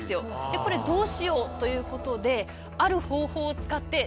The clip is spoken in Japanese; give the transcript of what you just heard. これどうしようということで。